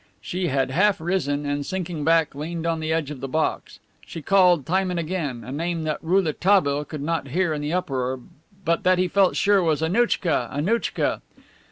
She had half risen, and, sinking back, leaned on the edge of the box. She called, time and time again, a name that Rouletabille could not hear in the uproar, but that he felt sure was "Annouchka! Annouchka!"